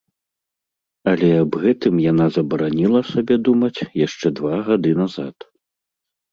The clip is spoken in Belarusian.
Але аб гэтым яна забараніла сабе думаць яшчэ два гады назад.